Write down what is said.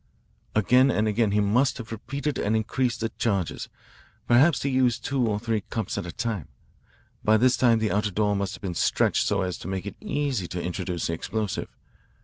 "Again and again he must have repeated and increased the charges. Perhaps he used two or three cups at a time. By this time the outer door must have been stretched so as to make it easy to introduce the explosive.